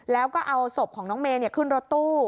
แล้วก็เอาศพของน้องเมย์ขึ้นรถตู้